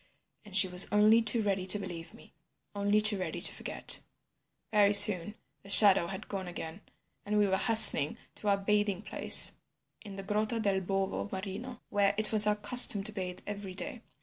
And she was only too ready to believe me, only too ready to forget. "Very soon the shadow had gone again, and we were hastening to our bathing place in the Grotta del Bovo Marino, where it was our custom to bathe every day.